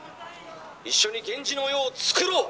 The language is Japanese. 一緒に源氏の世をつくろう！」。